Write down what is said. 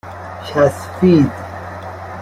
چَسفید